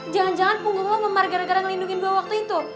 jangan jangan punggung lo ngemar gara gara ngelindungin gue waktu itu